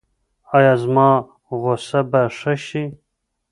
ایا زما غوسه به ښه شي؟